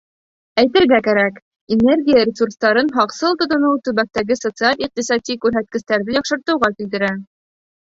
Әйтергә кәрәк: энергия ресурстарын һаҡсыл тотоноу төбәктәге социаль-иҡтисади күрһәткестәрҙе яҡшыртыуға килтерә.